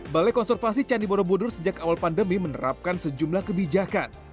balai konservasi candi borobudur sejak awal pandemi menerapkan sejumlah kebijakan